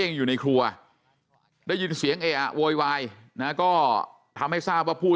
อยู่ในครัวได้ยินเสียงเออะโวยวายนะก็ทำให้ทราบว่าผู้